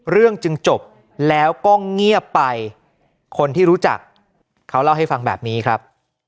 เรื่องจึงจบแล้วก็เงียบไปคนที่รู้จักเขาเล่าให้ฟังแบบนี้ครับ